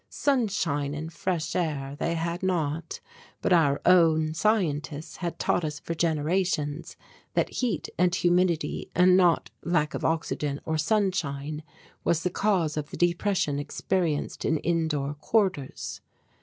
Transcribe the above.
Sunshine and "fresh air" they had not, but our own scientists had taught us for generations that heat and humidity and not lack of oxygen or sunshine was the cause of the depression experienced in indoor quarters.